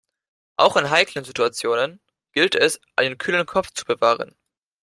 Auch in heiklen Situationen gilt es, einen kühlen Kopf zu bewahren.